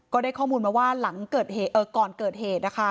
ก็ได้ข้อมูลมาว่าก่อนเกิดเหตุนะคะ